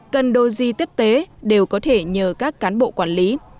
cần do di tiếp tế đều có thể nhờ các cán bộ quản lý